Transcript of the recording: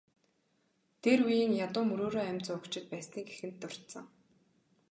Дээр үеийн ядуу мөрөөрөө амь зуугчид байсныг эхэнд дурдсан.